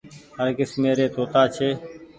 هر ڪسمي ري توتآ ڇي۔